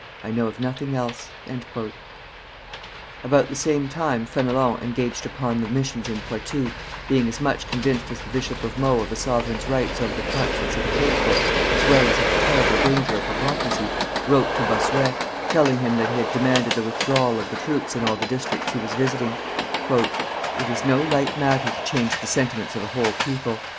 I know of nothing else." About the same time Fenelon, engaged upon the missions in Poitou, being as much convinced as the Bishop of Meaux of a sovereign's rights over the conscience of the faithful, as well as of the terrible danger of hypocrisy, wrote to Bossuet, telling him that he had demanded the withdrawal of the troops in all the districts he was visiting: "It is no light matter to change the sentiments of a whole people.